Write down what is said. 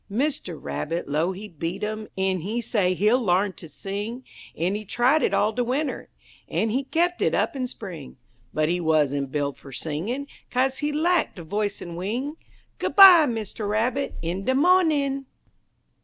Mister Rabbit 'low he beat 'im, en he say he'll l'arn ter sing, En he tried it all de winter, en he kep' it up in spring; But he wuzn't buil' fer singin', kaze he lack de voice en wing, Good by, Mister Rabbit, in de mawnin'!